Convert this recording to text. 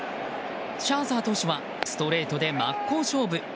シャーザー投手はストレートで真っ向勝負。